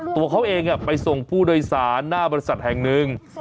ตัวเขาเองไปส่งผู้โดยสารหน้าบริษัทแห่งหนึ่ง